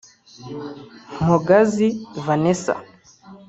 Mpogazi Vanessa